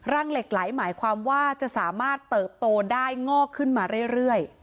เหล็กไหลหมายความว่าจะสามารถเติบโตได้งอกขึ้นมาเรื่อย